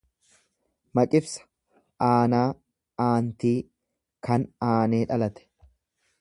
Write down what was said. Maqibsa aanaa, aantii. kan aanee dhalate.